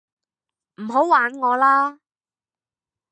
唔好玩我啦